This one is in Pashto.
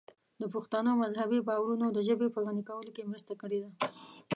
د پښتنو مذهبي باورونو د ژبې په غني کولو کې مرسته کړې ده.